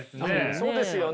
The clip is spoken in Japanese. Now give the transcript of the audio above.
そうですよね。